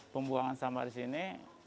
pembuangan sampah di sini